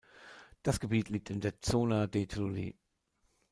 Das Gebiet liegt an der "Zona dei Trulli".